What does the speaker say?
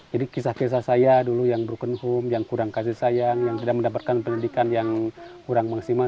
jadi kisah kisah saya dulu yang broken home yang kurang kasih sayang yang tidak mendapatkan pendidikan yang kurang maksimal